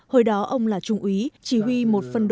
hồi đó ông là trung úy chỉ huy một phân bố